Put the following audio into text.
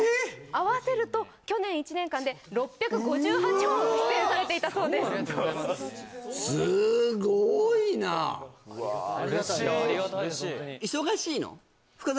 合わせると去年１年間で６５８本出演されていたそうですありがとうございますわあ嬉しいありがたいです